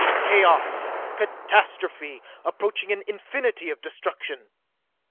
Chaos, catastrophe, approaching an infinity of destruction.